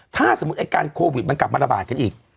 ถ้าสมมุติไอ้การโควิดมันกลับมาระบาดกันอีก